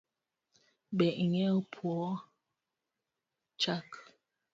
Be ing’eyo puo chak?